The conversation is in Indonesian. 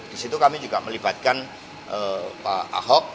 disitu kami juga melibatkan pak ahok